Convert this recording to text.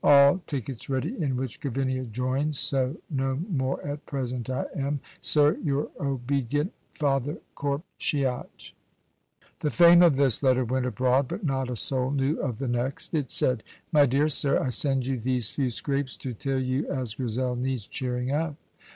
All tickets ready in which Gavinia joins so no more at present I am, sir, your obed't father Corp Shiach." The fame of this letter went abroad, but not a soul knew of the next. It said: "My dear Sir, I send you these few scrapes to tell you as Grizel needs cheering up.